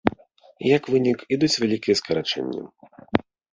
Як вынік, ідуць вялікія скарачэнні.